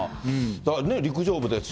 だからね、陸上部ですし。